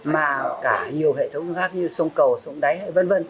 mà cả nhiều hệ thống khác như sông cầu sông đáy v v